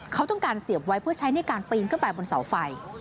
เขาต้องการเสียบไว้เพื่อใช้ในการปีนขึ้นไปบนเสาไฟ